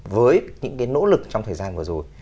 với những cái nỗ lực trong thời gian vừa rồi